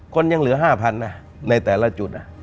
คนยังเหลือ๕๐๐๐นะในแต่ละจุด